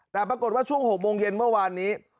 แต่ปรากฏว่าช่วง๖โมงเย็นเมื่อวานนี้